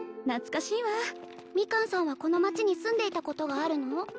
懐かしいわミカンさんはこの町に住んでいたことがあるの？